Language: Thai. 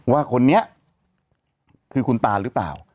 ว่าคนนี้คือคุณตาหรือเปล่า